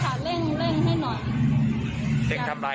ใช่ค่ะเล่นเล่นให้หน่อยเล่นทำไร